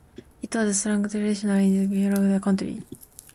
It was the strongest tornado ever recorded in Yellowstone County.